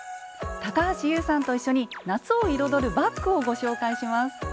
高橋ユウさんと一緒に夏を彩るバッグをご紹介します。